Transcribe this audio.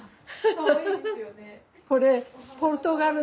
かわいいですよね。